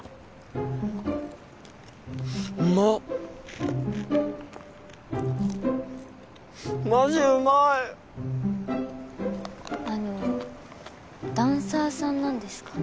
うまっマジうまいあのダンサーさんなんですか？